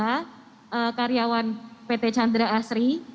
saya adalah karyawan pt chandra asri